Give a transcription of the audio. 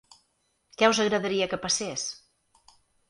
Què us agradaria que passés?